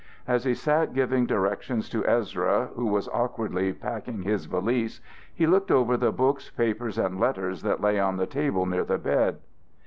As he sat giving directions to Ezra, who was awkwardly packing his valise, he looked over the books, papers, and letters that lay on the table near the bed.